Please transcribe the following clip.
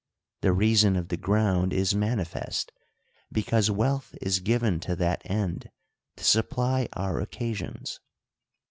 The reason of the ground is manifest ; be cause wealth is given to that end, to supply our occa sions.